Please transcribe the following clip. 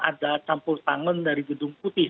ada campur tangan dari gedung putih